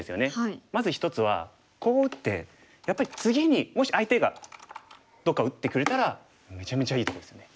まず一つはこう打ってやっぱり次にもし相手がどっか打ってくれたらめちゃめちゃいいとこですよね。